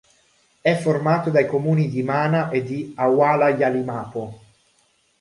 È formato dai comuni di Mana e di Awala-Yalimapo.